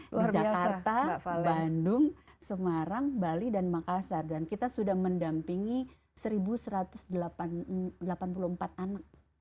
di jakarta bandung semarang bali dan makassar dan kita sudah mendampingi satu satu ratus delapan puluh empat anak